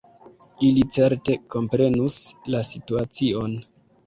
Ili certe komprenus la situacion.